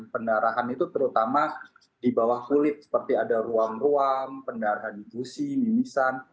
pendarahan itu terutama di bawah kulit seperti ada ruang ruang pendarahan di gusi mimisan